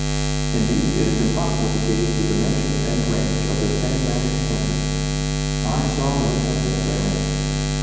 Indeed, it is impossible to gauge the dimensions and range of this enigmatic sentence, " I saw no temple therein."